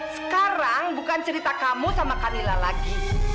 sekarang bukan cerita kamu sama kanila lagi